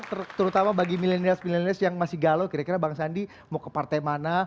terutama bagi milenial milenial yang masih galau kira kira bang sandi mau ke partai mana